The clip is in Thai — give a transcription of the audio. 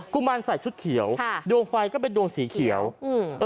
ุมารใส่ชุดเขียวค่ะดวงไฟก็เป็นดวงสีเขียวอืมเออ